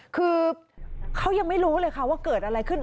คือเขายังไม่รู้เลยค่ะว่าเกิดอะไรขึ้น